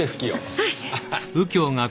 はい。